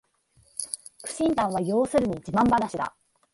苦心談は要するに自慢ばなしだ